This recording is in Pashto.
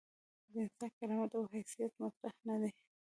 د انسان کرامت او حیثیت مطرح نه دي.